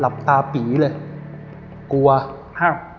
หลับตาปีของเราเลย